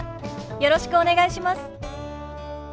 よろしくお願いします。